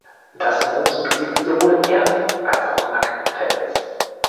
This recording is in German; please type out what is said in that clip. Das Moos besiedelt sowohl Erde, als auch nackten Fels.